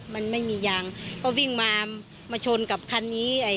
มันไม่มียางก็วิ่งมามาชนกับคันนี้